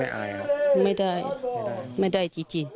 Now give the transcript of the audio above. เขาต้องทำพิธีตามประเพณีของชาติภัณฑ์รีสอร์ที่อำเภอชัยปราการที่จังหวัดเชียงใหม่